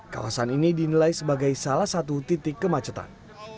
kawasan ini dinilai sebagai salah satu titik kemacetan